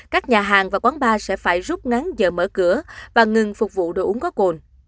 các nhà hàng và quán bar sẽ phải rút ngắn giờ mở cửa và ngừng phục vụ đồ uống có cồn